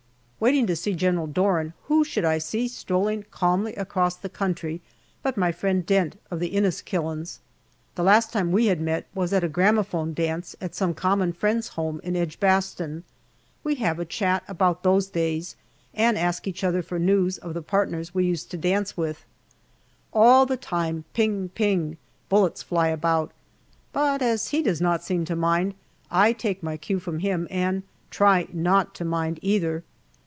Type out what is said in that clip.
Waiting to see General Doran, who should I see strolling calmly across the country but my friend Dent, of the Inniskillings. The last time we had met was at a gramophone dance at some common friends' home in Edgbaston. We have a chat about those days, and ask each other for news of the partners we used to dance with. All the time, " ping ping," bullets fly about, but as he does not seem to mind, I take my cue from him and try not to mind either.